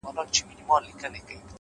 پوهه د انسان تلپاتې سرمایه ده,